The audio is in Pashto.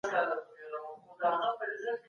کابینه د چاپیریال ساتنې هوکړه نه ماتوي.